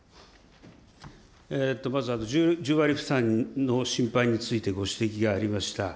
まず１０割負担の心配についてご指摘がありました。